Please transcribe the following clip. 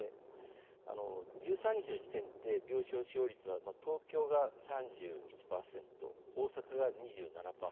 １３日の時点で病床使用率は東京が３１％大阪が２７％です。